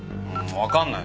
わかんない。